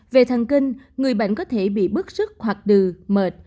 về thần kinh người bệnh có thể bị bức sức hoặc đừ mệt